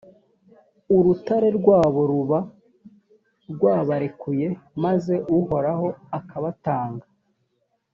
urutare rwabo ruba rwabarekuye, maze uhoraho akabatanga?